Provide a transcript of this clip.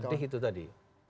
sedih itu tadi